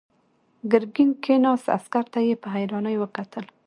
ګرګين کېناست، عسکر ته يې په حيرانۍ وکتل.